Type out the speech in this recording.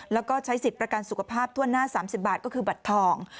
แล้วก็ใช้สิทธิ์ประกันสุขภาพทั่วหน้า๓๐บาทก็คือบัตรทอง